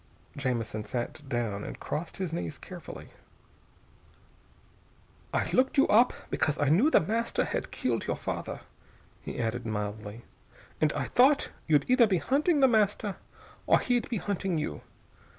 Jamison sat down and crossed his knees carefully. "I looked you up because I knew The Master had killed your father," he added mildly, "and I thought you'd either be hunting The Master or he'd be hunting you.